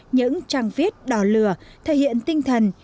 những trang viết đỏ lửa thể hiện tinh thần